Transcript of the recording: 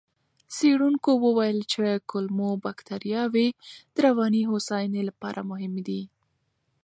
څېړونکو وویل چې کولمو بکتریاوې د رواني هوساینې لپاره مهمې دي.